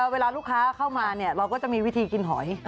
เวลาลูกค้าเข้ามาเราก็จะมีวิธีกินหอย